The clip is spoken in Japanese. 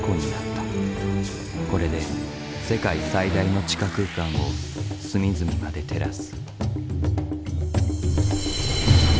これで世界最大の地下空間を隅々まで照らす。